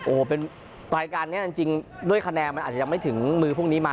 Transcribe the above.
โอ้โหเป็นรายการนี้จริงด้วยคะแนนมันอาจจะยังไม่ถึงมือพวกนี้มา